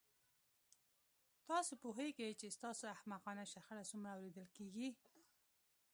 تاسو پوهیږئ چې ستاسو احمقانه شخړه څومره اوریدل کیږي